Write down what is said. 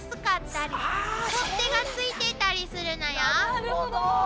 なるほど！